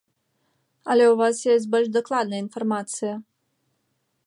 Але ў вас гэта больш дакладная інфармацыя.